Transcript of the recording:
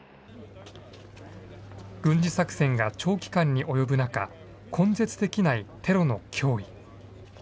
軍事作戦が長期間に及ぶ中、根絶できないテロの脅威。